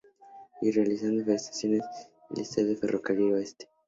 Y realizando presentaciones en el estadio de "Ferro Carril Oeste".